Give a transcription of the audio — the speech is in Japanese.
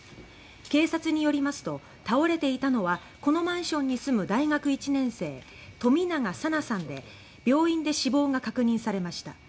警察によりますと倒れていたのはこのマンションに住む大学１年生の冨永紗菜さんで病院で死亡が確認されました。